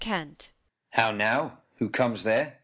_ How now! who comes there?